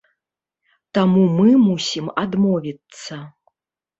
Таму мы мусім адмовіцца.